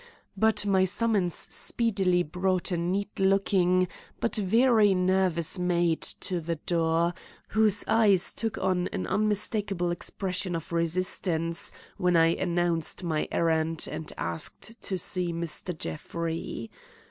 But my summons speedily brought a neat looking, but very nervous maid to the door, whose eyes took on an unmistakable expression of resistance when I announced my errand and asked to see Mr. Jeffrey.